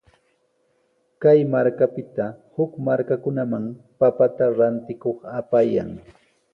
Kay markapita huk markakunaman papata rantikuq apayan.